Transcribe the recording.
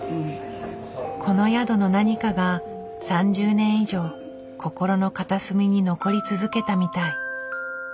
この宿の何かが３０年以上心の片隅に残り続けたみたい。